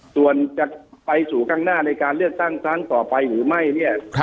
ส่วนจะไปสู่ข้างหน้าในการเลือกตั้งครั้งต่อไปหรือไม่เนี่ย